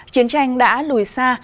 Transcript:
chiến tranh đã lùi xa